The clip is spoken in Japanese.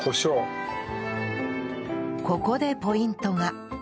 ここでポイントが